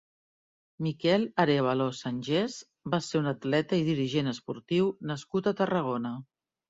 Miquel Arévalo Sangés va ser un atleta i dirigent esportiu nascut a Tarragona.